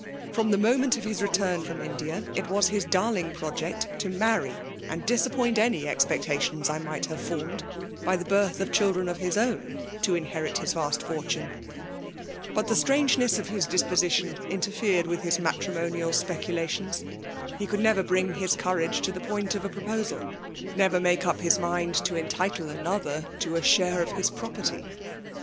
From the moment of his return from 'India» it was his darling project to marry and disappoint any ex pectations I might have formed, by the birth oC chiidren of his own to inherit his yast fortune; Imt the strangeness of his disposition interfered with his matrimonial speculationsh He could never bring his courage to the point of a pro* pdsal ; never make up his mind to entitle aoioth^ to a share of his property.